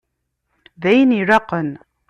D ayen ilaqen.